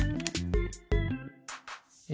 え